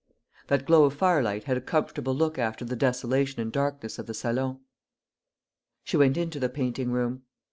That glow of firelight had a comfortable look after the desolation and darkness of the salon. She went into the painting room.